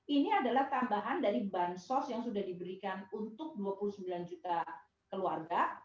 ini adalah tambahan dari bansos yang sudah diberikan untuk dua puluh sembilan juta keluarga